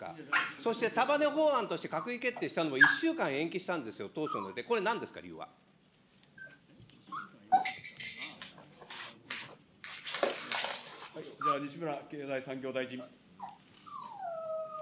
そして束ね法案として閣議決定したのも１週間延期したんですよ、当初の予定、これなんですか、理西村経済産業大臣。